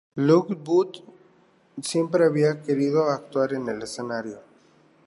Lockwood siempre había querido actuar en el escenario.